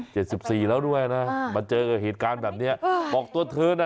สิบสี่แล้วด้วยนะมาเจอกับเหตุการณ์แบบเนี้ยเออบอกตัวเธอน่ะ